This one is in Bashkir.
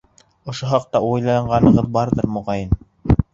Ошо хаҡта уйланғанығыҙ барҙыр, моғайын.